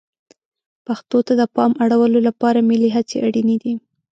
پښتو ته د پام اړولو لپاره ملي هڅې اړینې دي.